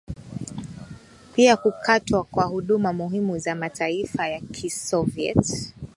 pia kukatwa kwa huduma muhimu za mataifa ya kiSoviet